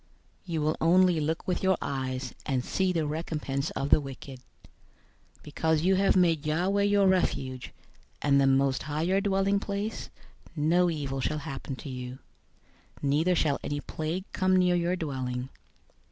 091:008 You will only look with your eyes, and see the recompense of the wicked. 091:009 Because you have made Yahweh your refuge, and the Most High your dwelling place, 091:010 no evil shall happen to you, neither shall any plague come near your dwelling.